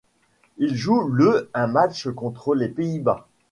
Il joue le un match contre les Pays-Bas.